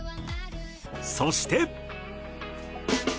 そして。